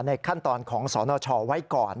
ขั้นตอนของสนชไว้ก่อน